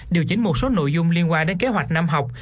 điều chỉnh một số nội dung liên quan đến kế hoạch năm học